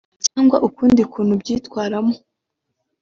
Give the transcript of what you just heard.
cyangwa ukundi kuntu ubyitwaramo